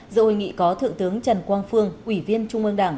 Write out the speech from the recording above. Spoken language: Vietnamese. giữa hội nghị có thượng tướng trần quang phương ủy viên trung ương đảng